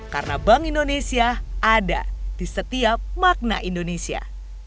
karena bank indonesia ada di setiap makna indonesia